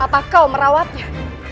apa kau merawatnya